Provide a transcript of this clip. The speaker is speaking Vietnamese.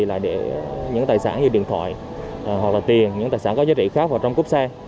lại để những tài sản như điện thoại hoặc là tiền những tài sản có giá trị khác vào trong cốp xe